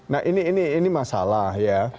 nah ini masalah ya